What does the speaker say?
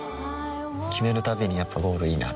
決めるたびにやっぱゴールいいなってふん